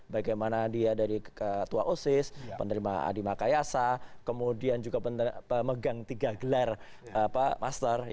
bagaimana dia dari ketua osis penerima adi makayasa kemudian juga pemegang tiga gelar master